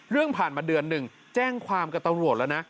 ผ่านมาเดือนหนึ่งแจ้งความกับตำรวจแล้วนะ